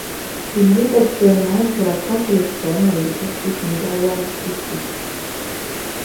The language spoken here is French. Il vit actuellement entre la France et l'Espagne où il poursuit une carrière artistique.